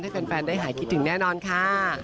แฟนได้หายคิดถึงแน่นอนค่ะ